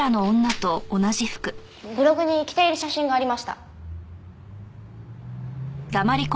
ブログに着ている写真がありました。